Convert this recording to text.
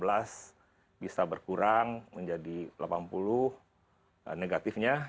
lalu dua ribu enam belas bisa berkurang menjadi delapan puluh negatifnya